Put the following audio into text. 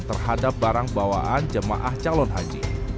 terhadap barang bawaan jemaah calon haji